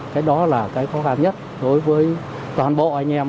cái đó là cái khó khăn nhất đối với toàn bộ anh em